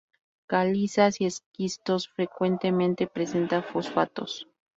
Calizas y esquistos frecuentemente presenta fosfatos.